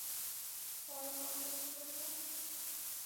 পরে কল করছি, ওকে?